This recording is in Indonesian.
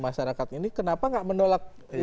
masyarakat ini kenapa nggak menolak